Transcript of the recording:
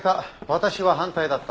私は反対だった。